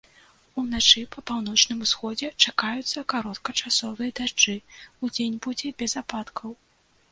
Уначы па паўночным усходзе чакаюцца кароткачасовыя дажджы, удзень будзе без ападкаў.